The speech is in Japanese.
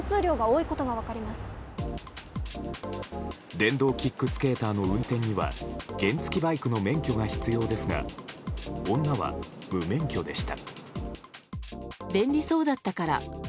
電動キックスケーターの運転には原付きバイクの免許が必要ですが女は無免許でした。